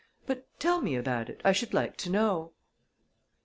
"But tell me about it. I should like to know."